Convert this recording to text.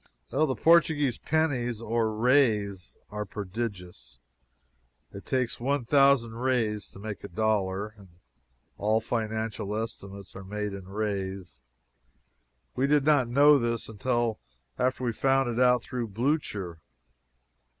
The Portuguese pennies, or reis (pronounced rays), are prodigious. It takes one thousand reis to make a dollar, and all financial estimates are made in reis. We did not know this until after we had found it out through Blucher.